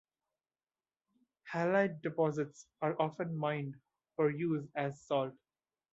Halite deposits are often mined for use as salt.